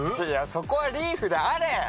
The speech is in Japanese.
いやそこはリーフであれ！